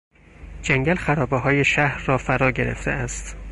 جنگل خرابههای شهر را فراگرفته است.